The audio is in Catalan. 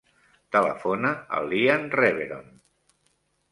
Telefona al Lian Reveron.